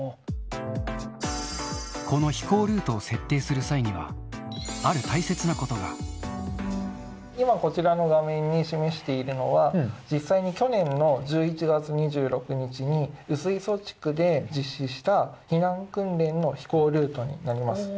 この飛行ルートを設定する際今、こちらの画面に示しているのは、実際に去年の１１月２６日に薄磯地区で実施した、避難訓練の飛行ルートになります。